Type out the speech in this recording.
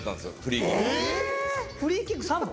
フリーキック３本？